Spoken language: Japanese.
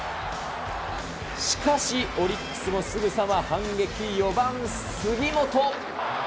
しかし、オリックスもすぐさま反撃、４番杉本。